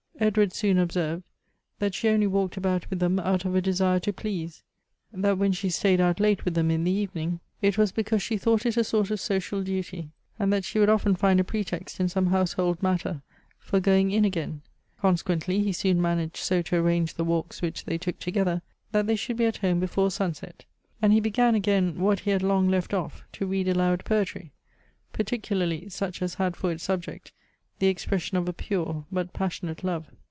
Edward soon observed that she only walked about with them out of a desire to please ; that when she stayed out late with them in the evening it was 70 Goethe's because she thought it a sort of social duty, and that she would often find a pretext in some household matter for going in again — consequently he soon managed so to arrange the walks which they took together, that they should be at home before sunset; and he began again, what he had long left off, to read aloud poetry — partic ularly such as liad for its subject the expression of a pure but passionate love.